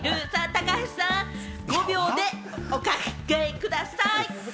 高橋さん、５秒でお考えください。